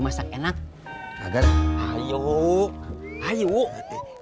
masak enak agar yuk ayu yuk ya ya mau ikut ah bedal bedal tarik tarik bocaya gue apa tuh be